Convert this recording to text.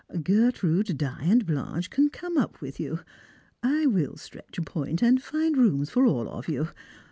Gertrude, Di, and Blanche can come up with you. I will stretch a point, and find rooms for all of you.